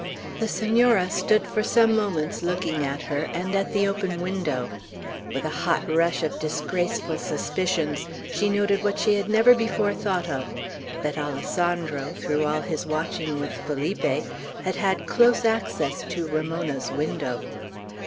The Senora stood for some moments looking at her, and at the open window. With a hot rush of disgraceful suspicions, she noted what she had never before thought of, that Alessandro, through all his watching with Felipe, had had close access to Ramona's window.